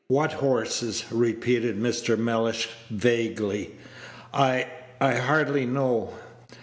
"What horses?" repeated Mr. Mellish, vaguely. "I I hardly know.